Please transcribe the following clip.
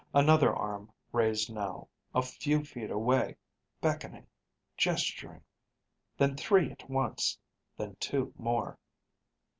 Another arm raised now, a few feet away, beckoning, gesturing. Then three at once; then two more.